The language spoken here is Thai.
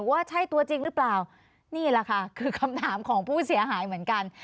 ว่าใช่ตัวจริงหรือเปล่านี่แหละค่ะคือคำถามของผู้เสียหายเหมือนกัน